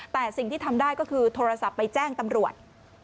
แต่สิ่งที่ทำได้ก็คือโทรศัพท์ไปแจ้งตำรวจ